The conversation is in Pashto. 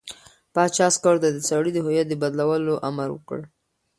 پاچا عسکرو ته د سړي د هویت د بدلولو امر وکړ.